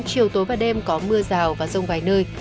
chiều tối và đêm có mưa rào và rông vài nơi